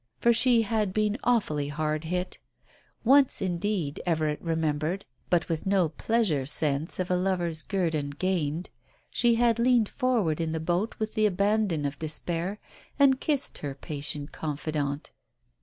For she had been awfully hard hit. Once, indeed, Everard remembered, but with no pleasurable sense of a lover's guerdon gained, she had leaned forward in the boat with the abandon of despair and kissed her patient confidant.